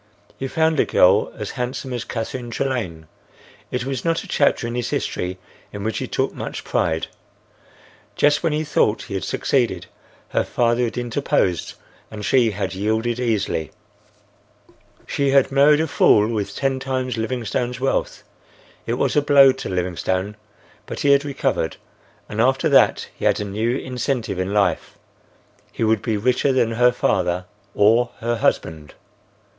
He found a girl as handsome as Catherine Trelane. It was not a chapter in his history in which he took much pride. Just when he thought he had succeeded, her father had interposed and she had yielded easily. She had married a fool with ten times Livingstone's wealth. It was a blow to Livingstone, but he had recovered, and after that he had a new incentive in life; he would be richer than her father or her husband.